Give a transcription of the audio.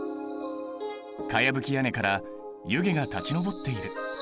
かやぶき屋根から湯気が立ち上っている。